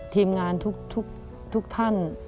ทีมงานทุกท่าน